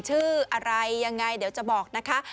ชื่ออะไรยังไงเดี๋ยวจะบอกนะคะ